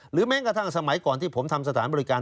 แม้กระทั่งสมัยก่อนที่ผมทำสถานบริการ